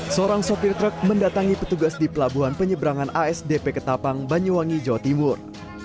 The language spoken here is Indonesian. seorang sopir truk mendatangi petugas di pelabuhan penyeberangan asdp ketapang banyuwangi jawa timur